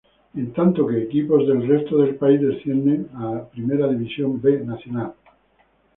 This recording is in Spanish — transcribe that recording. En tanto que equipos del resto del país descienden al Primera División B Nacional.